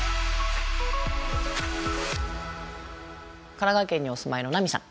神奈川県にお住まいのなみさん